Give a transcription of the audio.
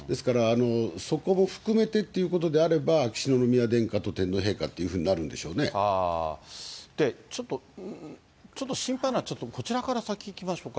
そこも含めてっていうことであれば、秋篠宮殿下と天皇陛下というちょっと心配なのは、ちょっとこちらから先にいきましょうか。